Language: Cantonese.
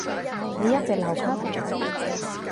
你一直留級？